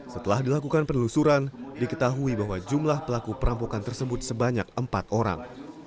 setelah dilakukan penelusuran diketahui bahwa jumlah pelaku perampokan tersebut sebanyak empat orang